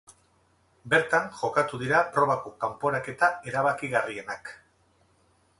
Bertan jokatu dira probako kanporaketa erabakigarrienak.